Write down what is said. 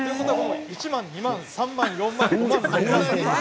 １万、２万、３万、４万と。